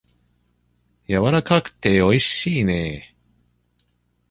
やわらかくておいしいね。